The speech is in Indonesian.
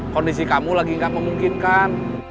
kondisi kamu lagi nggak memungkinkan